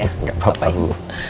gak apa apa ibu